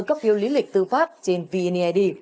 cấp phiếu lý lịch tư pháp trên vneid